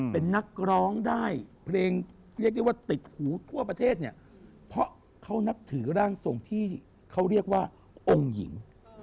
เป็นนักร้องได้เพลงเรียกได้ว่าติดหูทั่วประเทศเนี่ยเพราะเขานับถือร่างทรงที่เขาเรียกว่าองค์หญิง